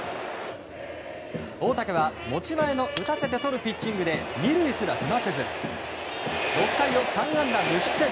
大竹は、持ち前の打たせてとるピッチングで２塁すら踏ませず６回を３安打無失点。